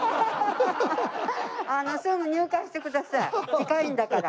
近いんだから。